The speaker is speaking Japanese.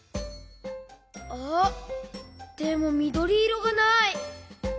あっでもみどりいろがない。